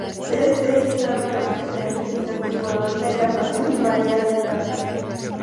Tres de ellos ahora permanecen en servicio activo: Lolita, Encarnación y María del Carmen.